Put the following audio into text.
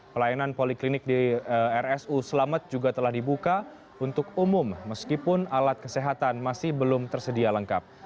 pelayanan poliklinik di rsu selamat juga telah dibuka untuk umum meskipun alat kesehatan masih belum tersedia lengkap